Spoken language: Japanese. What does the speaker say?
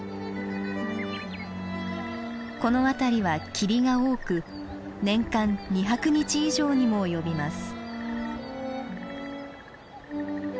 この辺りは霧が多く年間２００日以上にも及びます。